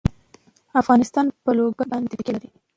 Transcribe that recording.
افغانستان په لوگر باندې تکیه لري.